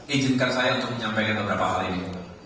ijinkan saya untuk menyampaikan beberapa hal ini